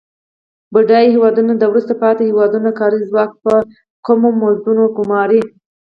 بډایه هیوادونه د وروسته پاتې هېوادونو کاري ځواک په کمو مزدونو ګوماري.